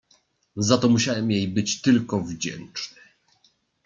"Za to musiałem jej być tylko wdzięczny."